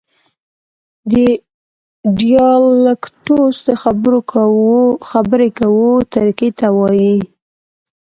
ډیالکټوس د خبري کوو طریقې ته وایي.